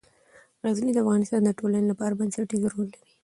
غزني د افغانستان د ټولنې لپاره بنسټيز رول لري.